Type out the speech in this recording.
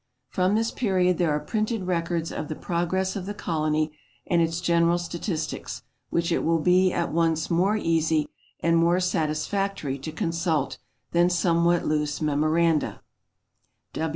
From this period there are printed records of the pro gress of the colony and its general statistics, which it will be at once more easy and more satisfactory to consult, than someAvhat loose memoranda.